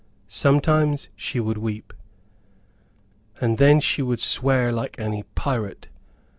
Sometimes she would weep, and then she would swear like any pirate.